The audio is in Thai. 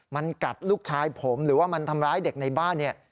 มันกัดลูกชายผมหรือว่ามันทำร้ายเด็กในบ้านเนี่ย